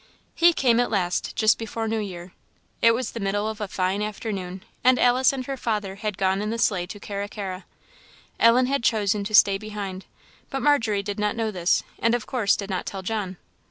He came at last, just before New Year. It was the middle of a fine afternoon, and Alice and her father had gone in the sleigh to Carra carra. Ellen had chosen to stay behind, but Margery did not know this, and of course did not tell John.